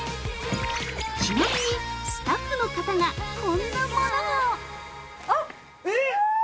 ちなみに、スタッフの方がこんなものを◆あっ！